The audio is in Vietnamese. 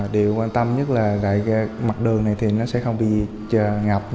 điều quan tâm nhất là mặt đường này sẽ không bị ngập